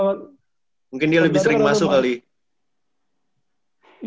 mungkin dia lebih sering masuk kali